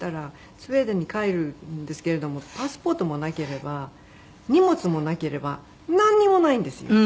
スウェーデンに帰るんですけれどもパスポートもなければ荷物もなければなんにもないんですよ。